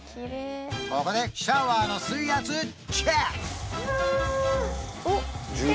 ここでシャワーの水圧チェック！